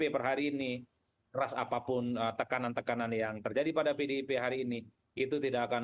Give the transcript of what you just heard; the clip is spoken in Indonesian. per hari ini ras apapun tekanan tekanan yang terjadi pada pdip hari ini itu tidak akan